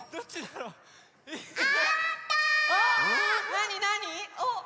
なになに？